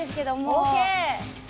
ＯＫ！